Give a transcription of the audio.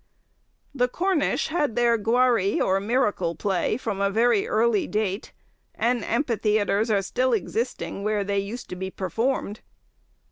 The Cornish had their Guary or Miracle Play from a very early date, and amphitheatres are still existing where they used to be performed.